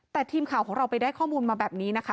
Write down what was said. แต่ทีมข่าวของเราไปได้ข้อมูลมาแบบนี้นะคะ